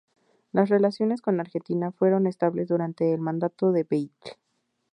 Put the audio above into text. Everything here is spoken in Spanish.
Las relaciones con Argentina fueron estables durante el mandato de Batlle.